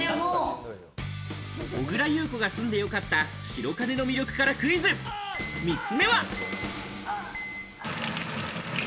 小倉優子が住んでよかった白金の魅力からクイズ、３つ目は。